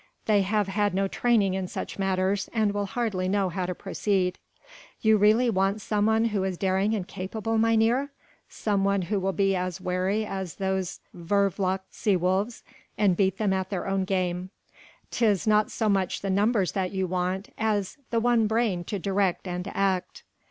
They have had no training in such matters, and will hardly know how to proceed." "You really want some one who is daring and capable, mynheer, some one who will be as wary as those vervloekte sea wolves and beat them at their own game. 'Tis not so much the numbers that you want as the one brain to direct and to act."